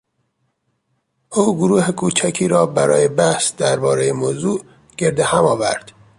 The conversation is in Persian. او گروه کوچکی را برای بحث دربارهی موضوع گرد هم آورد.